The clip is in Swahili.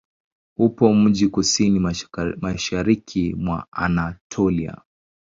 Upo mjini kusini-mashariki mwa Anatolia.